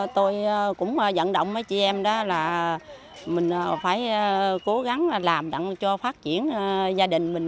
tôi cũng dẫn động với chị em đó là mình phải cố gắng làm cho phát triển gia đình mình